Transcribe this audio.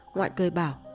ngoại cười bảo